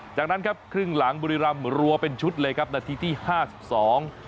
จากนั้นครับครึ่งหลังบุรีรำรัวเป็นชุดเลยครับนาทีที่ห้าสิบสอง